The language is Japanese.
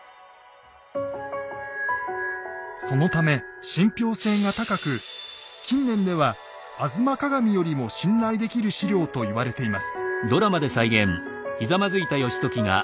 そのため信ぴょう性が高く近年では「吾妻鏡」よりも信頼できる史料と言われています。